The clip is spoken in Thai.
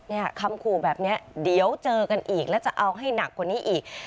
คำขู่แบบนี้เดี๋ยวเจอกันอีกแล้วจะเอาให้หนักกว่านี้อีก